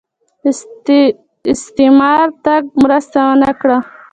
استعمار تګ مرسته ونه کړه